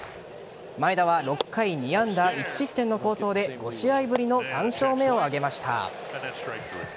前田は６回２安打１失点の好投で５試合ぶりの３勝目を挙げました。